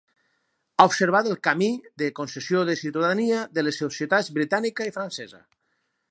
Ha observat el camí de concessió de ciutadania de les societats britànica i francesa.